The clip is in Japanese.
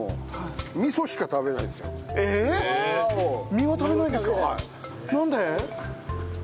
身は食べないんですか？